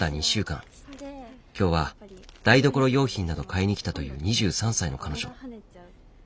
今日は台所用品など買いに来たという２３歳の彼女。